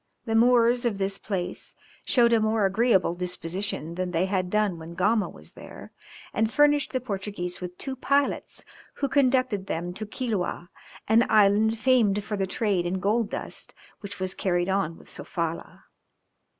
The Moors of this place showed a more agreeable disposition than they had done when Gama was there, and furnished the Portuguese with two pilots, who conducted them to Quiloa, an island famed for the trade in gold dust which was carried on with Sofala.